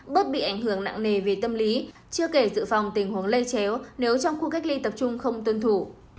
bớt bị ảnh hưởng nặng nề về tâm lý chưa kể sự phòng tình huống lây chéo nếu trong khu cách ly tập trung không tuân thủ